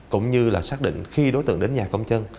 cũng như là xác định khi đối tượng đến nhà công chân